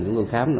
chúng tôi khám